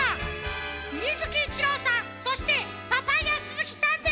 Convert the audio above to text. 水木一郎さんそしてパパイヤ鈴木さんです！